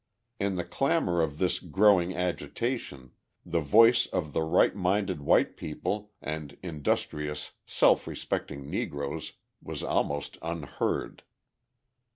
In the clamour of this growing agitation, the voice of the right minded white people and industrious, self respecting Negroes was almost unheard.